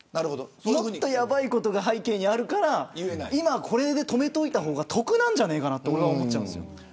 もっとやばいことが背景にあるから今、ここで止めといた方が得なんじゃないかなと俺は思っちゃうんですよ。